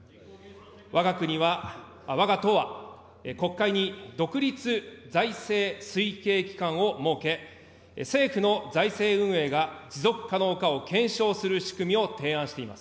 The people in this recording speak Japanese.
わが国は、わが党は、国会に独立財政推計機関を設け、政府の財政運営が持続可能かを検証する仕組みを提案しています。